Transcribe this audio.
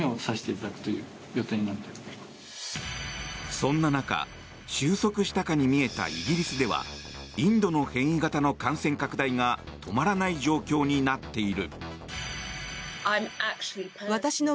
そんな中収束したかに見えたイギリスではインドの変異型の感染拡大が止まらない状況になっている。